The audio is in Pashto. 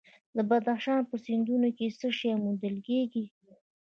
د بدخشان په سیندونو کې څه شی موندل کیږي؟